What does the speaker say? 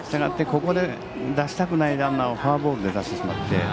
ここで出したくないランナーをフォアボールで出してしまって。